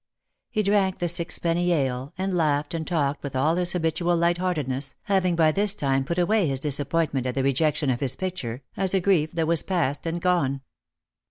He drank the sixpenny ale, and laughed and talked with all his habitual light heartedness, having by this time put away his disappointment at the rejection of his picture as a grief that was past and gone.